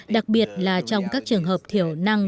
đặc biệt là trong các trường hợp thiểu năng